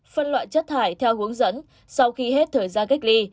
phân loại chất thải theo hướng dẫn sau khi hết thời gian cách ly